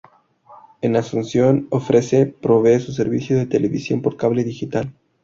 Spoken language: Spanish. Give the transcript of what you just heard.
En Asunción, ofrece provee su servicio de televisión por cable digital.